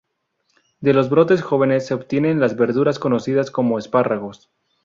De los brotes jóvenes se obtienen las verduras conocidas como "espárragos".